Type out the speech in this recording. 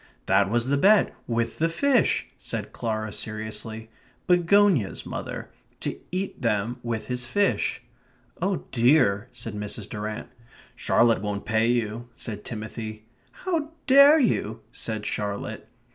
"That was the bet; with the fish," said Clara seriously. "Begonias, mother. To eat them with his fish." "Oh dear," said Mrs. Durrant. "Charlotte won't pay you," said Timothy. "How dare you ..." said Charlotte.